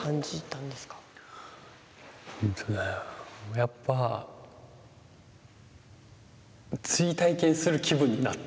やっぱ追体験する気分になった。